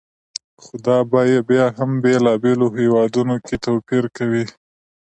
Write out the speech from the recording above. خو دا بیې بیا هم بېلابېلو هېوادونو کې توپیر کوي.